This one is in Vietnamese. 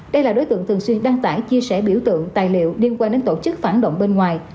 đây là đối tượng thường xuyên đăng tải chia sẻ biểu tượng tài liệu liên quan đến tổ chức phản động bên ngoài